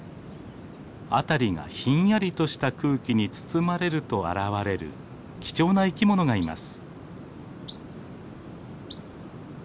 辺りがひんやりとした空気に包まれると現れる貴重な生き物がいます。